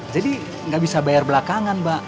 jadi gak bisa bayar belakangan mbak